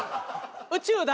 「宇宙だ！